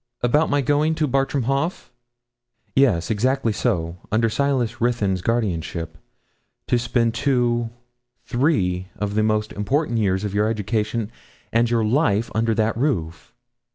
'About my going to Bartram Haugh?' 'Yes, exactly so, under Silas Ruthyn's guardianship, to spend two three of the most important years of your education and your life under that roof.